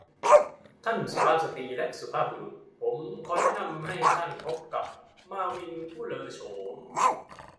ท่านสุภาพสตรีและสุภาพบุรุษ ผมขอแนะนำให้ท่านพบกับมาร์วินผู้เลอโฉม